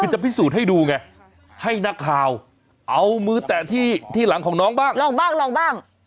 คือจะพิสูจน์ให้ดูไงให้นักข่าวเอามือแตะที่หลังของน้องบ้างลองบ้างลองบ้าง